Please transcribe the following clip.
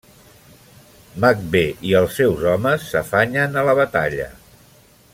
Macbeth i els seus homes s'afanyen a la batalla.